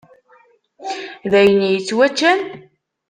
D ayen ittwaččan?